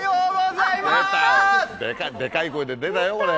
デカい声で出たよこれ。